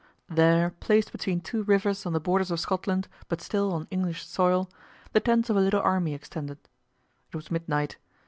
There, placed between two rivers on the borders of Scotland, but still on English soil, the tents of a little army extended. It was midnight.